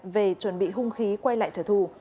về chuẩn bị hung khí quay lại trở thù